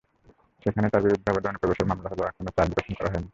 সেখানে তাঁর বিরুদ্ধে অবৈধ অনুপ্রবেশের মামলা হলেও এখনো চার্জ গঠন করা হয়নি।